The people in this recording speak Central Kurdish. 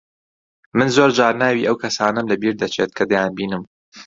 من زۆر جار ناوی ئەو کەسانەم لەبیر دەچێت کە دەیانبینم.